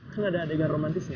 kan ada adegan romantisnya